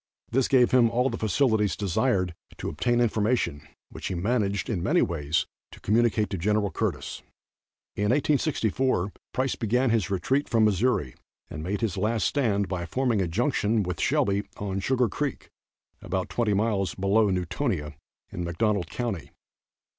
This gave him all the facilities desired to obtain information, which he managed, in many ways, to communicate to Gen. Curtis. In 1864 Price began his retreat from Missouri and made his last stand by forming a junction with Shelby on Sugar creek, about twenty miles below Newtonia, in McDonald county.